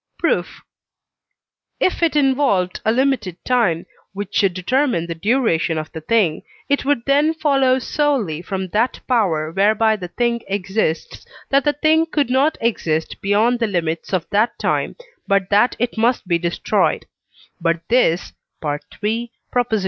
Proof. If it involved a limited time, which should determine the duration of the thing, it would then follow solely from that power whereby the thing exists, that the thing could not exist beyond the limits of that time, but that it must be destroyed; but this (III.